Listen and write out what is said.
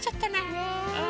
ねえ。